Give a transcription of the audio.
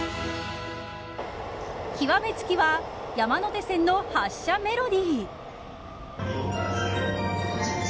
極め付きは山手線の発車メロディ−。